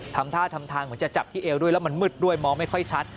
ทำท่าทำทางเหมือนจะจับที่เอวด้วยแล้วมันมืดด้วยมองไม่ค่อยชัด